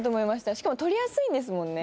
しかも取りやすいんですもんね。